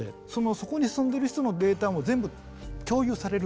そこに住んでる人のデータも全部共有されるんですよ。